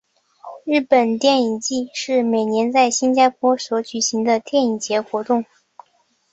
日本电影祭是每年在新加坡所举行的电影节活动。